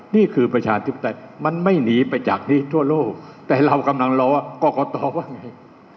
นี่คือประชาธิวดัยมันไม่หนีไปจากนี้ทั่วโลกแต่เรากำลังรอกรกฏอว่าอย่างไร